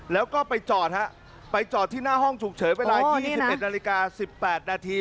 แล้วก็ไปจอดฮะไปจอดที่หน้าห้องฉุกเฉินเวลา๒๑นาฬิกา๑๘นาที